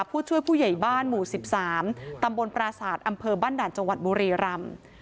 พูดช่วยผู้ใหญ่บ้านหมู่สิบสามตำบลปราสาธิ์อำเภอบั้นด่านจังหวัดบุรีรำ